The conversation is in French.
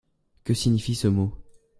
Que signifie ce mot ?